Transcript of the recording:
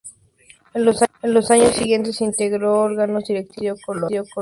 En los años siguientes integró órganos directivos del Partido Colorado.